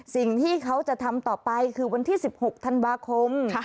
สิ่งที่เขาจะทำต่อไปคือวันที่๑๖ธันวาคม